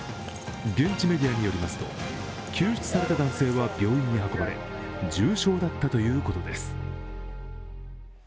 現地メディアによりますと、救出された男性は病院に運ばれ、重傷だったということです。